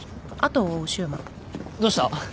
どうした？